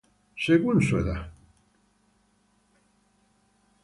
según su edad